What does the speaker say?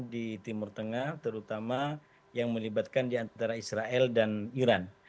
di timur tengah terutama yang melibatkan diantara israel dan iran